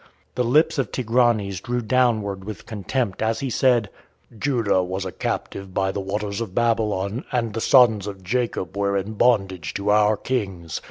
'" The lips of Tigranes drew downward with contempt, as he said: "Judah was a captive by the waters of Babylon, and the sons of Jacob were in bondage to our kings.